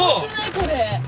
これ。